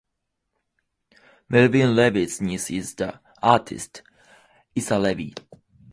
Mervyn Levy's niece is the artist, Isa Levy.